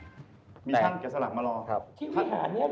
มีการแกะสลักมารอ